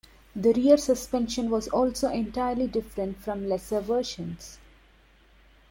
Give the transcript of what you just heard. The rear suspension was also entirely different from lesser versions.